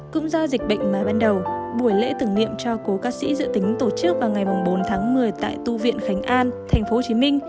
cũng do dịch bệnh mái ban đầu buổi lễ thử nghiệm cho cô ca sĩ dự tính tổ chức vào ngày bốn tháng một mươi tại tu viện khánh an tp hcm